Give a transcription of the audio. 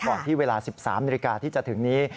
ที่เวลา๑๓นาฬิกาที่จะถึงนี้